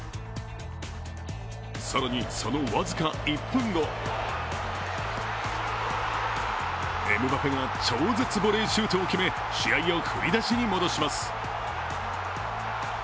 更にその僅か１分後、エムバペが超絶ボレーシュートを決め、試合を振り出しに戻します。